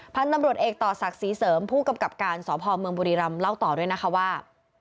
พันธุ์ตำรวจเอกต่อศักดิ์ศรีเสริมผู้กำกับการสพเมืองบุรีรำเล่าต่อด้วยนะคะว่า